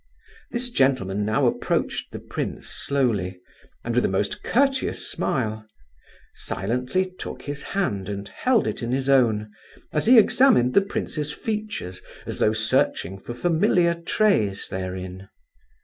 This gentleman now approached the prince slowly, and with a most courteous smile; silently took his hand and held it in his own, as he examined the prince's features as though searching for familiar traits therein.